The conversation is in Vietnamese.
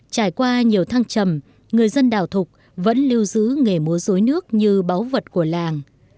trải qua nhiều thăng trầm người dân đảo thục vẫn lưu giữ nghề múa dối nước như báu vật của làng